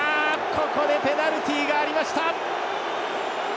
ここでペナルティがありました！